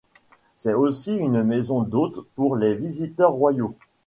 C'est aussi une maison d’hôte pour les visiteurs royaux.